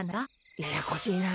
ややこしいなぁ。